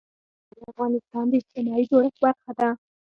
پسه د افغانستان د اجتماعي جوړښت برخه ده.